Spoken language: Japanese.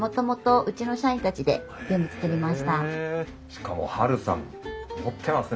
しかもハルさん持ってますね。